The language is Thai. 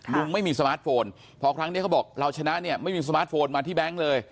ลุงไม่มีสมาร์ทโฟนพอครั้งนี้เขาบอกเราชนะเนี่ยไม่มีสมาร์ทโฟนมาที่แบงค์เลย